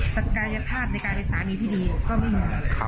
ศักยภาพในการเป็นสามีที่ดีก็ไม่มี